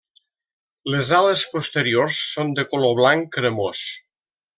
Les ales posteriors són de color blanc cremós.